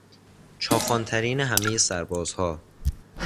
چاخانترین همهی سربازها